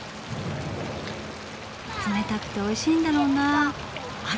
冷たくておいしいんだろうなあ。